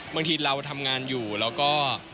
บางทีเราทำงานอยู่แล้วก็